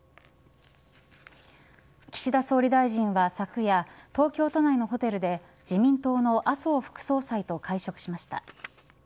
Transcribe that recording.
岸田総理大臣は昨夜東京都内のホテルで自民党の麻生副総裁と会食しました。